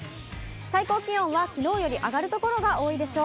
最高気温はきのうより上がる所が多いでしょう。